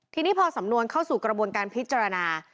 ทีนี้พอสำนวนเข้าสู่กระบวนการพิจารณา